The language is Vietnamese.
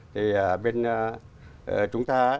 thì bên chúng ta